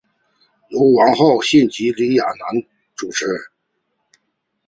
由王浩信及李亚男主持。